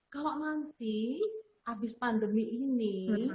kalau nanti habis pandemi ini